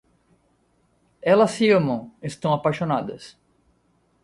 Elas se amam. Estão apaixonadas.